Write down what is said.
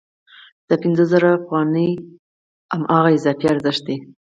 دا پنځوس زره افغانۍ هماغه اضافي ارزښت دی